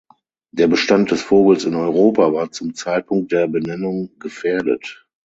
Der Bestand des Vogels in Europa war zum Zeitpunkt der Benennung gefährdet.